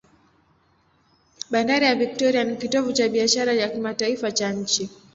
Bandari ya Victoria ni kitovu cha biashara ya kimataifa cha nchi.